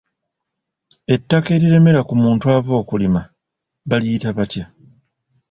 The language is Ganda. Ettaka eriremera ku muntu ava okulima, baliyita batya?